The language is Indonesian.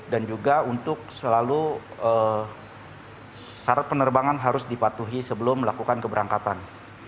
dan juga untuk selalu syarat penerbangan harus dipatuhi sebelum melakukan keberangkatan